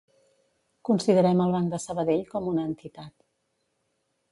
Considerem el Banc de Sabadell com una entitat.